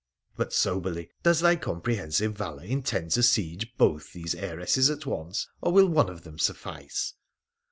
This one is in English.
But, soberly, does thy comprehensive valour intend to siege both these heiresses at once, or will one of them suffice